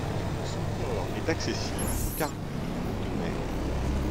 Son port est accessible aux cargos de haute mer.